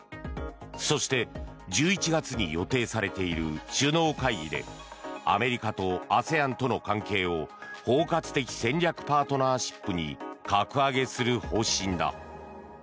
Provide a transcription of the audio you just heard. そして、１１月に予定されている首脳会議でアメリカとＡＳＥＡＮとの関係を包括的戦略パートナーシップに格上げする方針だ。